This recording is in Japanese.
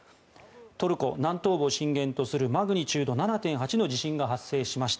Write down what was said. トルコ南東部を震源とするマグニチュード７．８の地震が発生しました。